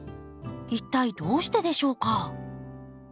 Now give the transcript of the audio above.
一体どうしてでしょうか？